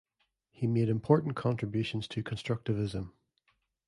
He made important contributions to constructivism.